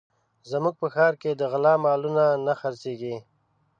زموږ په ښار کې د غلا مالونه نه خرڅېږي